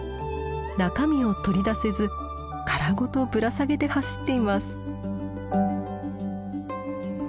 中身を取り出せず殻ごとぶら下げて走っています。